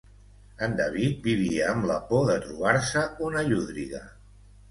En David vivia amb la por de trobar-se una llúdriga.